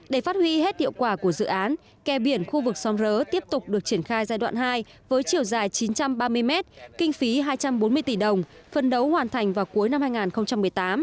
để phát huy hết hiệu quả của dự án kè biển khu vực xóm rớ tiếp tục được triển khai giai đoạn hai với chiều dài chín trăm ba mươi mét kinh phí hai trăm bốn mươi tỷ đồng phân đấu hoàn thành vào cuối năm hai nghìn một mươi tám